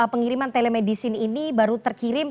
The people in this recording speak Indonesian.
pengiriman telemedicine ini baru terkirim